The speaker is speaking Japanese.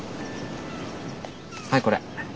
はいこれ。